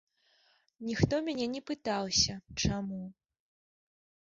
Ніхто мяне не пытаўся, чаму.